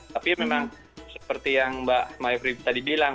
tapi memang seperti yang mbak maifri tadi bilang